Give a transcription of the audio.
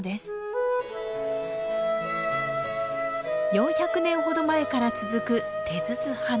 ４００年ほど前から続く手筒花火。